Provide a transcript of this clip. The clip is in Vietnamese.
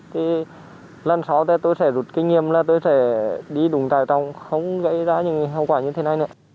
thì lần sau tôi sẽ rút kinh nghiệm là tôi sẽ đi đúng trại trọng không gây ra những hậu quả như thế này nữa